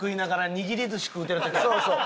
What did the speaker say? そうそう。